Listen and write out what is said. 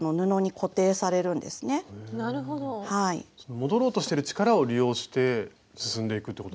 戻ろうとしてる力を利用して進んでいくってこと。